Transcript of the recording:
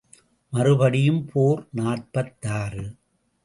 மறுபடியும் போர் நாற்பத்தாறு.